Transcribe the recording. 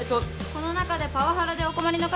この中でパワハラでお困りの方はいませんか？